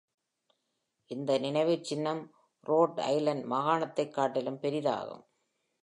இந்நினைவுச்சின்னம் Rhode Island மாகாணத்தைக் காட்டிலும் பெரிதாகும்.